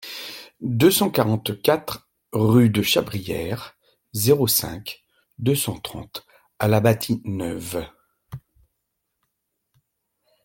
deux cent quarante-quatre rue de Chabrière, zéro cinq, deux cent trente à La Bâtie-Neuve